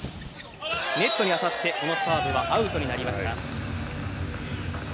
ネットに当たって、このサーブはアウトになりました。